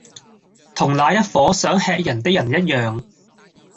同那一夥想喫人的人一樣。